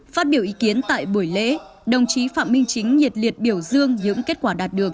phát biểu ý kiến tại buổi lễ đồng chí phạm minh chính nhiệt liệt biểu dương những kết quả đạt được